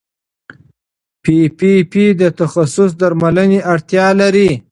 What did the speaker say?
پي پي پي د تخصصي درملنې اړتیا لري.